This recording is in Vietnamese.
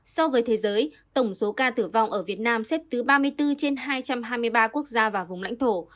so với thế giới tổng số ca tử vong ở việt nam xếp thứ ba mươi bốn trên hai trăm hai mươi ba quốc gia và vùng lãnh thổ